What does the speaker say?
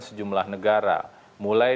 sejumlah negara mulai